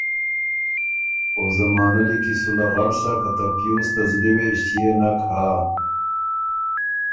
او زمانۀ لیکی سو لغړ سۀ که ته پیوز ته زلی وې ݭيې نک هۀ۔